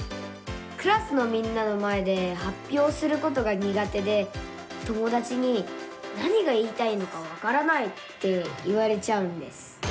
クラスのみんなの前ではっぴょうすることがにが手で友だちに「何が言いたいのかわからない」って言われちゃうんです。